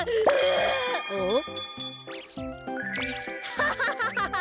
ハハハハハ！